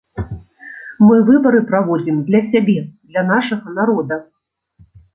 Мы выбары праводзім для сябе, для нашага народа.